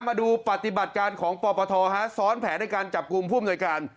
มาดูปฏิบัติการของปปทซ้อนแผนในการจับกลุ่มผู้อำนวยการ